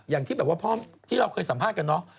อย่างที่แบบว่าที่เราเคยสัมภาษณ์กันเนาะ